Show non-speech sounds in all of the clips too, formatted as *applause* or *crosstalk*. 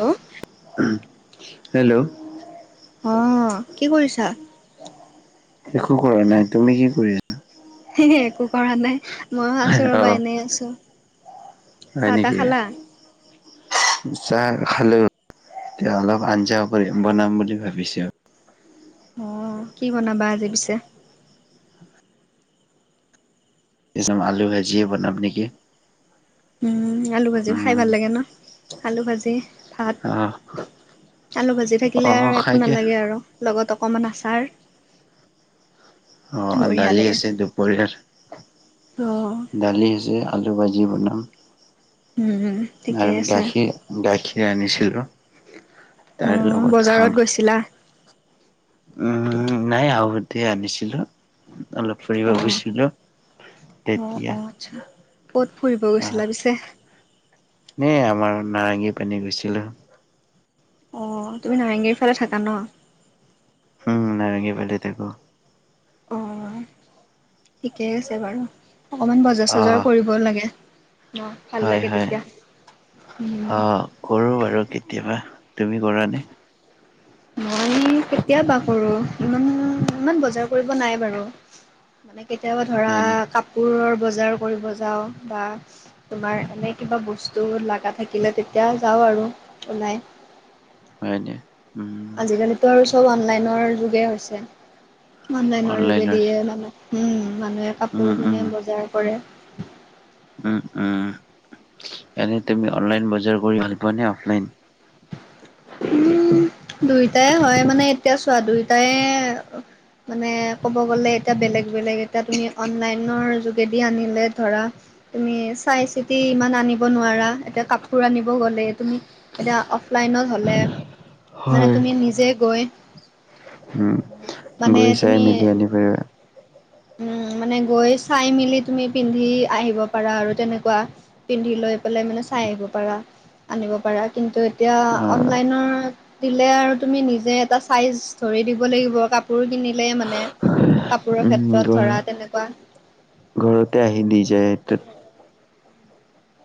Hello hello. অ' কি কৰিছা? একো কৰা নাই, তুমি কি কৰি আ একো কৰা নাই, ময়ও আছো অ ৰবা এনে আছো। হয় চাহ তাহ নেকি খালা? চাহ খালো। এতিয়া অলপ আঞ্জা কৰি বনাম বুলি ভাবিছো। অ কি বনাবা আজি পিছে? *unintelligible* আলু ভাজিয়ে বনাম নকি। উম, আলু ভাজি খাই উম ভাল লাগে ন আলু ভাজি। ভাত আহ আলু ভাজি অ থাকিলে আৰু একো খাইকে নালাগে আৰু। লগত অকমান আচাৰ। অ' বঢ়িয়া দালি লাগে। আছে দুপৰীয়াৰ, অ', দালি আছে। আলু ভাজি বনাম উম, ঠিকে আৰু আছে গাখীৰ গাখীৰ আনিছিলো তাৰ লগত খাম। আছিলা। উম নাই আও আৰু সেইটো এ আনিছিলো। অলপ ফুৰিব অ', গৈছিলোঁ, অ', তেতিয়া। অ' আচ্ছা। ক'ত ফুৰিব আহ গৈছিলা পিছে? এ আমাৰ নাৰংগী পিনে গৈছিলো। অ তুমি নাৰেংগীৰ ফালে থাকা ন? উম নাৰঙগী ফালে থাকো। অ' ঠিকেই আছে বাৰু অকমান বজাৰ অ চজাৰ কৰিব লাগে, অ' ভাল হয় লাগে হয় তেতিয়া। উম অ কৰোঁ বাৰু কেতিয়াবা, তুমি কৰা নে? মই কেতিয়াবা কৰো ইমান ইমান বজাৰ কৰিব নাই বাৰু। মানে কেতিয়াবা ধৰা হয় নি কাপোৰৰ বজাৰ কৰিব যাওঁ বা তোমাৰ এনে কিবা বস্তু লগা থাকিলে তেতিয়া যাওঁ আৰু ওলাই। হয়নে, উম। আজিকালিতু আৰু চব অনলাইনৰ যুগে হৈছে। অনলাইনৰ যোগেদিয়ে মানু মানুহে কাপোৰ উম উম কিনে বজাৰ কৰে। উম উম এনেই তুমি অনলাইন বজাৰ কৰি ভাল পোৱা নে অফলাইন? উম দুইটাই হয় মানে এতিয়া চোৱা দুইটাই মানে ক'ব গ'লে এতিয়া বেলেগ বেলেগ এতিয়া তুমি অনলাইনৰ যোগেদি আনিলে ধৰা তুমি চাই চিতি ইমান আনিব নোৱাৰা। এতিয়া কাপোৰ আনিব গ'লে তুমি এতিয়া অফলাইনত হ'লে, মানে হয় তুমি নিজে গৈ উম মানে গৈ চাই তুমি মেলি আনিব পাৰিবা। উম মানে গৈ চাই মেলি তুমি পিন্ধি আহিব পাৰা আৰু তেনেকুৱা। পিন্ধি লৈ পেলাই মানে চাই আহিব পাৰা আনিব পাৰা। কিন্তু এতিয়া অনলাইনত দিলে আৰু তুমি নিজে এটা ছাইজ ধৰি দিব লাগিব কাপোৰ কিনিলে মানে। কাপোৰৰ উম ক্ষেত্ৰত ঘৰ ধৰা তেনেকুৱা। ঘৰতে আহি দি যায়, টোত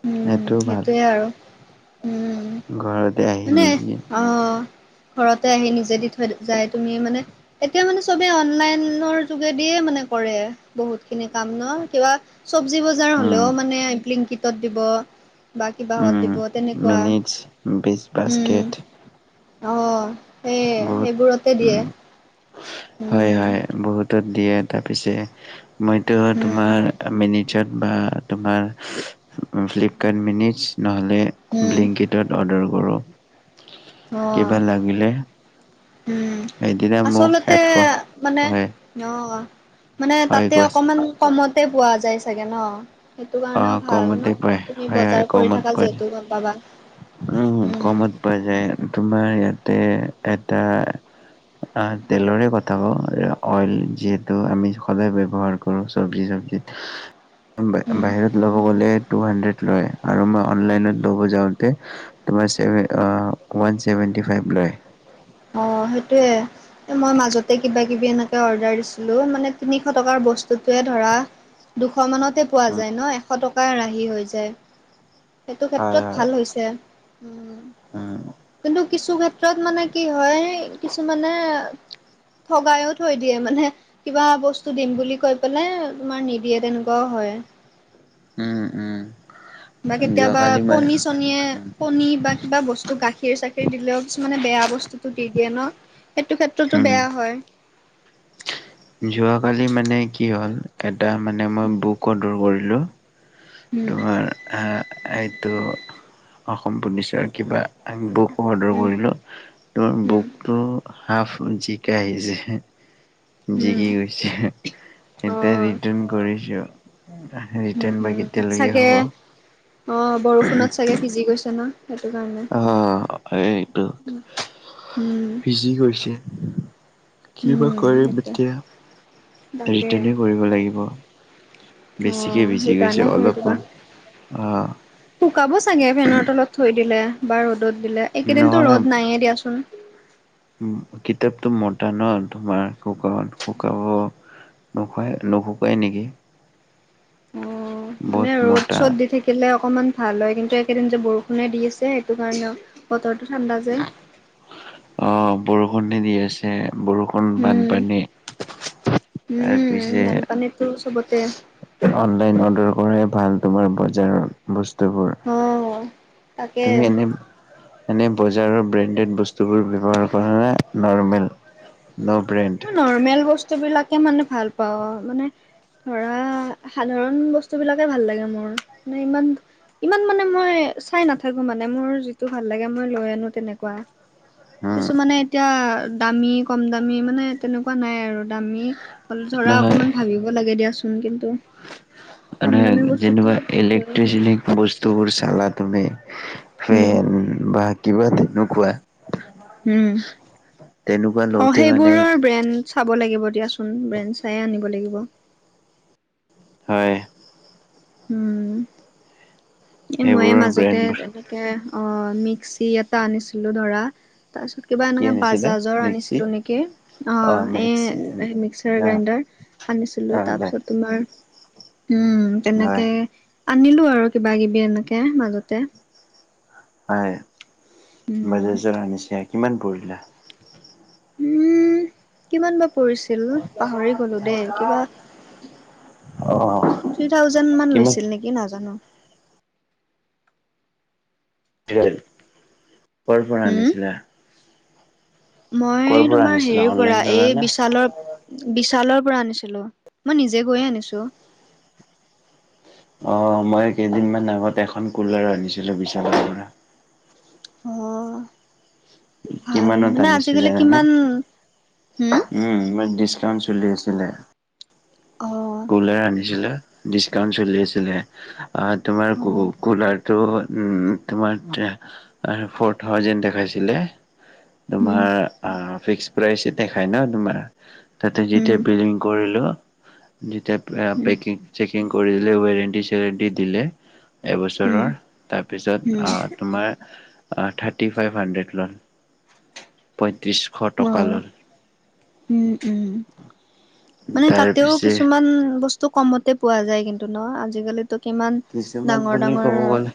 উম', সেইটোৱে আৰু উম ঘৰততে আহি মানে দিজে অ ঘৰতে আহি নিজে দি থৈ যাই, তুমি মানে এতিয়া মানে চবে অনলাইনৰ যোগেদিয়ে মানে কৰে বহুত খিনি কাম ন? কিবা চব্জি বজাৰ হলেও উম মানে বিলিংকিটত দিব। বা কিবাহত উম দিব তেনেকুৱা, মিনিটছ বিছ বাস্কেট উম। অ', সেই বহুত সেইবোৰতে দিয়ে। উম হয়, উম হয় বহুতত দিয়ে তাৰপিছে, মইতো উম তোমাৰ মিনিজত বা তোমাৰ ফ্লিপকাৰ্ট মিনিজ নহ'লে উম ব্লিংকিটত অৰ্ডাৰ কৰোঁ কিবা অ লাগিলে। উম, সেইদিনা মোক আচলতে হেডফোন মানে হয় অঁ, মানে হয় তাতে কোৱাচোন অকমান কমতে পোৱা যায় চাগে ন? সেইটো অ কাৰণেও ভাল কমতে ন? পায় তুমি হয় হয় বজাৰ কৰি কমত থাকা পোৱা যিহেতু যায় গম পাবা। উম, কমত পাই যায়। তোমাৰ ইয়াতে এটা আঁ, তেলৰে কথা কওঁ অ-অইল যিহেতু আমি সদায় ব্যৱহাৰ কৰোঁ চবজি-টবজিত উম, বাহিৰত ল'ব গ'লে টু হান্দ্ৰেদ লয় আৰু মই অনলাইনত ল'ব যাওঁ তে তোমাৰ ছেভে আঁ ৱান ছেভেণ্টি ফাইভ লয়। অঁ, সেইটোৱে। মই মাজতে কিবা-কিবি এনেকে অৰ্ডাৰ দিছিলো। মানে, তিনিশ টকাৰ বস্তুটোৱে ধৰা দুশ মানতে পোৱা উম, যায় ন? এশ টকা ৰাহি হৈ যায়। সেইটো হয় ক্ষেত্ৰত হয় ভাল হৈছে। উম, উম। কিন্তু কিছু ক্ষেত্ৰত মানে কি হয়, কিছুমানে ঠগাইও থৈ দিয়ে মানে। কিবা বস্তু দিম বুলি কৈ পেলাই তোমাৰ নিদিয়ে তেনেকুৱাও হয়। উম, উম। বা কেতিয়াবা যোৱাকালি মই কণী--চনীয়ে, উম কণী বা কিবা বস্তু গাখীৰ-চাখীৰ দিলেও কিছুমানে বেয়া বস্তুটো দি দিয়ে ন'? এইটো ক্ষেত্ৰতো বেয়া উম। হয়। যোৱাকালি মানে কি হ'ল? এটা মানে মই বুক অৰ্ডাৰ কৰিলোঁ। উম তোমাৰ এ-এইটো অসম পুলিচৰ কিবা। *unintelligible* বুক অৰ্ডাৰ উম কৰিলোঁ। তোমাৰ উম বুক টো হাফ জি কে আহিছে হেঁহ্। জিকি উম গৈছে অ এতিয়া ৰিটাৰ্ণ কৰিছোঁ। উম ৰিটাৰ্ণ উম বাকী চাগে? অঁ, বৰষুণত চাগে ভিজি গৈছে ন' সেইটো কাৰণে, অ এইটো উম। ভিজি গৈছে কি বা উম কৰিম সেইটোৱে এতিয়া, তাকে ৰিটাৰ্ণে কৰিব লাগিব। অ বেছিকে ভিজি গৈছে সেইকাৰণে কৰি দিবা অলপমান, অঁ। শুকাব চাগে, ফেনৰ তলত থৈ দিলে বা ৰ'দত দিলে এই কেইদিনতো ৰ'দ নায়েই দিয়াচোন। উম, কিতাপটো মোটা ন ' তোমাৰ শুকত শুকাব নোকাই নোশুকাই নেকি? অ' বহুত মানে মোটা ৰ'দ-চ'দ দি থাকিলে অকমান ভাল হয় কিন্তু এইকেদিন যে বৰষুণে দি আছে সেইটো কাৰণেও বতৰটো ঠাণ্ডা যে। অঁ, বৰষুণে দি আছে। বৰ ষুণ উম, বানপানী তাৰপিছে পানীটো চবতে অনলাইন অৰ্ডাৰ কৰাই ভাল। তোমাৰ বজাৰত বস্তুবোৰ। অ'। তাকে তুমি এনে এনে বজাৰৰ ব্ৰেণ্ডেড বস্তুবোৰ ব্যৱহাৰ কৰা নে নৰ্মেল? No brand. মই নৰ্মেল বস্তুবিলাকে মানে ভাল পাওঁ আৰু মানে ধৰা সাধাৰণ বস্তুবিলাকে ভাল লাগে মোৰ। মানে ইমান ইমান মানে মই চাই নাথাকো মানে মোৰ যিটো ভাল লাগে মই লৈ আনো তেনেকুৱা। উম কিছুমানে এতিয়া দামী, কম দামী মানে তেনেকুৱা নাই আৰু দামী ধৰা নহয় অকমান ভাবিব লাগে দিয়াচোন কিন্তু কম দামী যেনে বস্তুটো লৈ আহো ইলেকট্ৰিচিটি বস্তুবোৰ চালা তুমি উম ফেন বা কিবা তেনেকুৱা, উম, তেনেকুৱা অ' লওঁতে মানে সেইবোৰৰ ব্ৰেণ্ড চাব লাগিব দিয়াচোন ব্ৰেণ্ড চায়ে আনিব লাগিব। হয়। উম, এ ময়ে সেইবোৰৰ মাজতে ব্ৰেণ্ডবোৰ তেনেকে অ মিক্সি এটা আনিছিলো ধৰা, তাৰ পিছত কিবা কি এনেকা আনিছিলে বাজাজৰ মিক্সি আনিছিলো নেকি? অ, এ মিক্সাৰ অহ গ্ৰাইণ্ডাৰ আনিছিলো অহ তাৰপিছত তোমাৰ উম, হয় তেনেকে আনিলো আৰু কিবা কিবি এনেকে মাজতে। হয়, উম, বাজাজৰ আনিছে কিমান পৰিলা? উম, কিমান বা পৰিছিল পাহৰি গলো দেই কিবা অ থ্ৰী থাউজেণ্ড মমান কিমান লৈছিল নেকি নাজানো। কৰ পৰা হুম, আনিছিলা? মই কৰ পৰা তোমাৰ আনিছিলা হেৰিৰ পৰা অনলাইন ললা এই না বিশালৰ বিশালৰ পৰা আনিছিলো, মই নিজে গৈয়ে আনিছো। অ, মই কেইদিনমান আগত এখন কুলাৰ আনিছিলো বিশালৰ পৰা। অ, ভাল কিমানত মানে আনিছোঁ আজিকালি জানানে? কিমান উম উম, কাম চলি আছিলে। অ, কুলাৰ আনিছিলো ডিছকাউণ্ট চলি আছিলে তোমাৰ ক অ', কুলাৰ ত' উ তোমাৰ ফৰ থাউজেণ্ড দেখাইছিলে। উম, তোমাৰ ফিক্স প্ৰাইচ এ দেখায় ন তোমাৰ। তাতে উম, যেতিয়া বিলিং কৰিলো। যিতেয়া উম, পেকিং চেকিং কৰি দিল ৱেৰেণ্টি চেৰেণ্টি দিলে। উম, এবছৰৰ উম, তাৰপিছত তোমাৰ থাৰ্টি ফাইভ হাণ্ড্ৰেড লোল। পঁয়ত্ৰিছশ টকা অ', ল'লে। উম, উম, মানে তাতেও তাৰপিছে কিছুমান বস্তু কমতে পোৱা যায় কিন্তু ন আজিকালি, ত' কিমান কিছুমান ডাঙৰ বুলি ডাঙৰ ক'ব গ'লে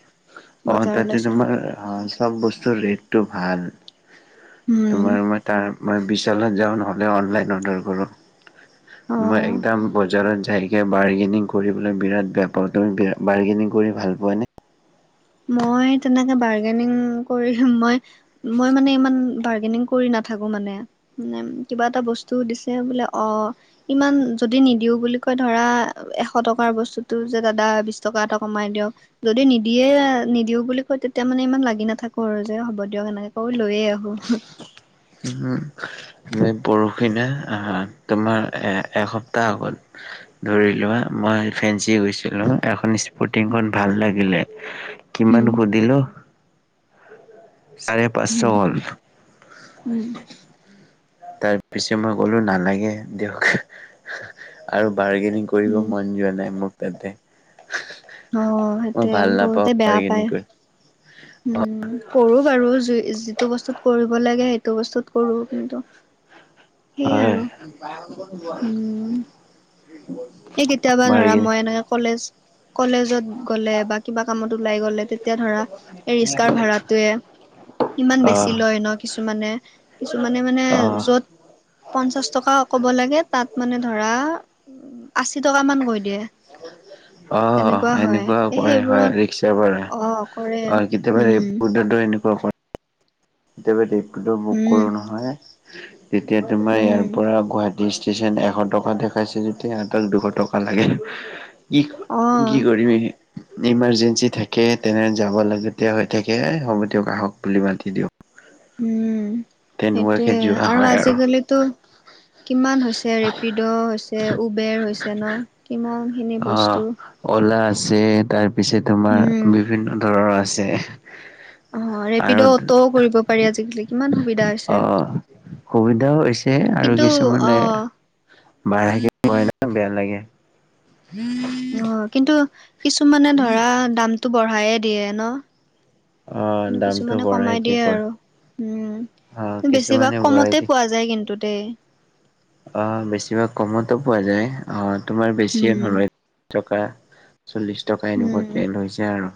অ বজাৰ তাতে ওলাইছে তোমাৰ অ চব বস্তুৰ ৰেটটো ভাল উম তোমাৰ মই তাৰ মই, চলত যাওঁ নহ'লে অনলাইন অৰ্ডাৰ কৰোঁ অ মই একদম বজাৰত যায়। তি বাৰ্গেনিং কৰিবলৈ বিৰাট বেয়া পাওঁ তুমি বিৰা বাৰ্গেনিং কৰি ভাল পোৱা নে? মই তেনেকে বাৰ্গেনিং কৰিম মই, মই মানে ইমান বাৰ্গেনিং কৰি নাথাকো মানে। মানে কিবা এটা বস্তু দিছে বোলে অ', ইমান যদি নিদিও বুলি কয় ধৰা এশ টকাৰ বস্তুটো যে দাদা বিশ টকা এটা কমাই দিয়ক যদি নিদিয়ে। নিদিও বুলি কৈ তেতিয়া মানে ইমান লাগি নাথাকো আৰু যে হ'ব দিয়ক এনেকে ক লৈয়ে আহো, উম, সেই পৰষি দিনা তোমাৰ এ' এসপ্তাহ আগত ধৰি লোৱা মই ফেঞ্চি গৈছিলো এখন ইচ কুটিখন ভাল লাগিলে, উম কিমান সুধিল- চাৰে উম পাঁচশ হ'ল। উম। তাৰ পিছে মই ক'লো নালাগে দিয়ক। আৰু বাৰ্গেনিং কৰিব উম মন যোৱা নাই মোৰ তাতে। অ মই সেইটোয়ে ভাল নাপওঁ বহুতে বেয়া পায় বাৰৰ্গেনিং কৰি। উম, কৰো বাৰু যিটো বস্তুত কৰিব লাগে সেইটো বস্তুত কৰো কিন্তু। সেই হয়। আৰু উম এই কেতিয়াবা ধৰা বাৰ্গেনিং মই এনেকে কলেজ কলেজত- গ'লে বা কিবা কামত ওলাই গ'লে তেতিয়া ধৰা এই ৰিক্সা ভাড়াটোয়ে- ইমান বেছি অহ লয় ন কিছুমানে। কিছুমানে মানে অহ য'ত- পঞ্চাশ টকা ক'ব লাগে, তা'ত মানে ধৰা আশী টকা মান কৈ দিয়ে। অ। অহ', তেনেকুৱা হয় এনেকুৱাও কৰে হয় সেইবোৰত ৰিক্সা অ ভাড়াত। কৰে অ কেতিয়াবা উম ৰিপৰ্টত এনেকুৱা কৰে। কেতিয়াবা ৰেপিড বুক উম কৰোঁ নহয়, তেতিয়া তোমাৰ উম ইয়াৰ পৰা গুৱাহাটী- ষ্টচন এশ টকা পাইছো যেতিয়া সিহঁতক দুশ টকা লাগে। কি' অ কি কৰিম এই। ইমানজেঞ্চি থাকে তেনে যাব লাগিয়া হৈ থাকে হ'ব দিয়ক আহক বুলি মাতি দিয়ক। উম কে সেইটোয়ে, যোৱা আৰু হয় আজিকালি- ত' কিমান হৈছে ৰেপিড হৈছে, উবেৰ হৈছে ন। কিমান খিনি অহ', বস্তু - অলা আছে তাৰপিছে তোমাৰ- উম বিভিন্ন ধৰণৰ আছে। অঁহ', আৰু ৰেপিডো, অটো কৰিব পাৰি আজিকালি কিমান সুবিধা অ হৈছে। সুবিধাও হৈছে আৰু কিন্তু কিছুমানে অ বাৰি থাকিব না বেয়া লাগে। অ উম। কিন্তু কিছুমানে ধৰা দামটো বঢ়ায়ে দিয়ে অ ন। দামটো কিছুমানে বঢ়াই কমাই কি দিয়ে কয় আৰু উমঁ, অ বেছিভাগ কিছুমানে বঢ়াই কমতে পোৱা- যায় কিন্তু দেই। আহ', বেছিভাগ কমতো পোৱা যায় আহ তোমাৰ বেছিয়ে উম নলয় টকা। চল্লিছ টকা এনেকুৱা তেল হৈছে আৰু।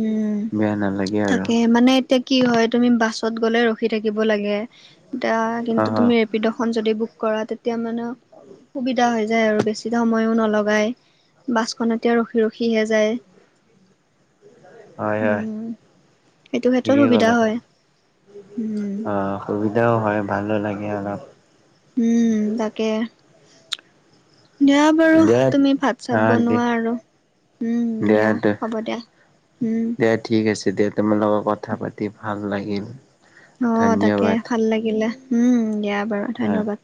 উমঁ, বেয়া নালাগে আৰু তাকে মানে- এতিয়া কি হয় তুমি বাছত গ'লে ৰখি থাকিব লাগে। এতিয়া অ কিন্তু তুমি- ৰেপিডোখন যদি বুক কৰা তেতিয়া মানে- সুবিধা হৈ যায় আৰু, বেছি সময়ো নলগায়, বাছখন তেতিয়া ৰখি ৰখিহে যায়। হয়-হয়, উম সেইটো ক্ষেত্ৰত ঠিকেই সুবিধা ক'লা হয়। তুমি উম অঁহ। সুবিধাও হয়, ভালো লাগে অলপ। উমঁ, তাকে। দিয়া বাৰু দিয়া তুমি ভাত- হা চাত দিয়া বনোৱা আৰু। উম দিয়া, হ'ব দিয়া উম। দিয়া ঠিক আছে দিয়া, তোমাৰ লগত কথা পাতি ভাল লাগিল। অঁহ', তাকে ধন্যবাদ ভাল লাগিলে, উম' দিয়া বাৰু হা ধন্যবাদ।